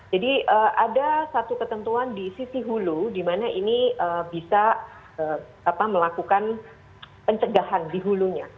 jadi ada satu ketentuan di sisi hulu di mana ini bisa melakukan pencegahan di hulunya